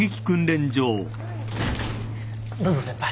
どうぞ先輩。